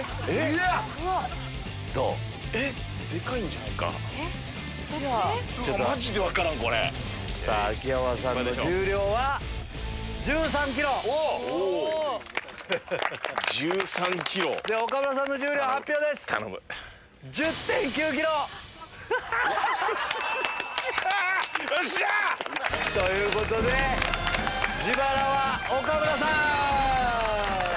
よっしゃ！ということで自腹は岡村さん！